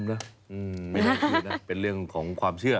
ไม่น่าคิดนะเป็นเรื่องของความเชื่อ